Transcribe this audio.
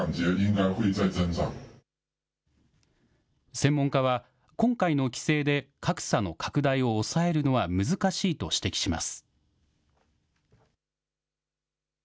専門家は、今回の規制で格差の拡大を抑えるのは難しいと指摘します。